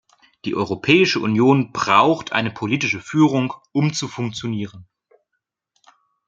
Die Europäische Union braucht eine politische Führung, um zu funktionieren.